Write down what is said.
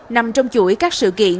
nằm trong chuỗi các sự kiện